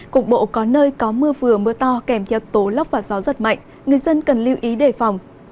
cục bộ có nơi có mưa vừa mưa to kèm theo tố lốc và gió giật mạnh người dân cần lưu ý đề phòng